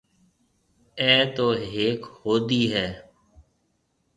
اَي تو هيڪ هودَي هيَ؟